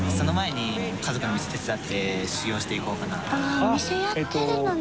あぁお店やってるのね。